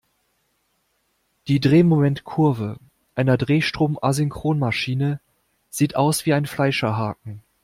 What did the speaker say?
Die Drehmomentkurve einer Drehstrom-Asynchronmaschine sieht aus wie ein Fleischerhaken.